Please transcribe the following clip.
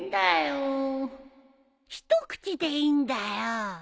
一口でいいんだよ。